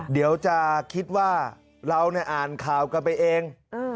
เดี๋ยวจะคิดว่าเราอ่านข่าวกันไปเอง